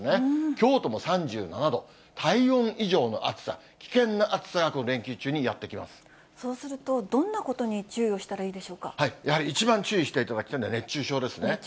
京都も３７度、体温以上の暑さ、危険な暑さが、連休中にやって来そうすると、どんなことに注意をしたらいいでしょうかやはり一番注意していただきたいのは熱中症ですね。